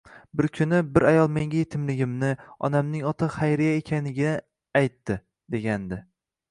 Bir kuni: Bir ayol menga yetimligimni, onamning oti Xayriya ekanligini aytdi», — deganding.